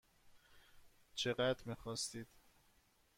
چقدر میخواستید؟